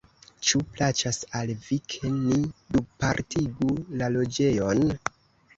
Ĉu plaĉas al vi, ke ni dupartigu la loĝejon?